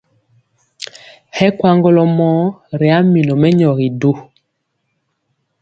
Hɛ kwaŋgɔlɔ mɔɔ ri a minɔ mɛnyɔgi du.